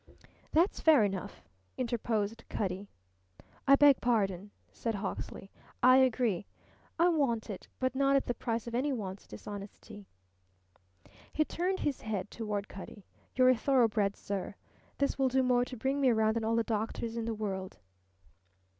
"That's fair enough," interposed Cutty. "I beg pardon," said Hawksley. "I agree. I want it, but not at the price of any one's dishonesty." He turned his head toward Cutty, "You're a thoroughbred, sir. This will do more to bring me round than all the doctors in the world."